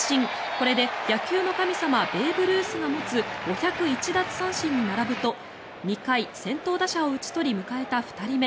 これで、野球の神様ベーブ・ルースが持つ５０１奪三振に並ぶと２回、先頭打者を打ち取り迎えた２人目。